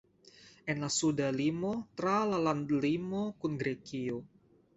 En la suda limo tra la landlimo kun Grekio.